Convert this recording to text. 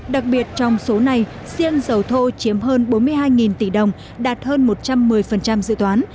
đặc biệt trong số này riêng dầu thô chiếm hơn bốn mươi hai tỷ đồng đạt hơn một trăm một mươi dự toán